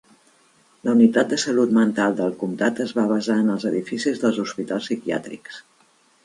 La unitat de salut mental del comtat es va basar en els edificis dels hospitals psiquiàtrics.